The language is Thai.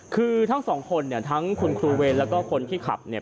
คือทั้งสองคนเนี่ยทั้งคุณครูเวรแล้วก็คนที่ขับเนี่ย